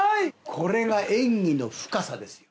これが演技の深さですよ。